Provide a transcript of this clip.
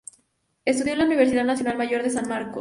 Estudió en la Universidad Nacional Mayor de San Marcos.